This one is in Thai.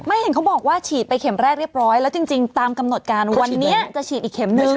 เห็นเขาบอกว่าฉีดไปเข็มแรกเรียบร้อยแล้วจริงตามกำหนดการวันนี้จะฉีดอีกเข็มนึง